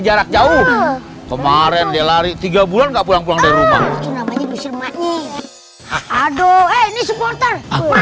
jarak jauh kemarin dia lari tiga bulan enggak pulang pulang dari rumah nih aduh eh ini supporter